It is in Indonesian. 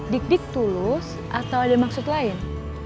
dik dik tulus atau ada maksud lain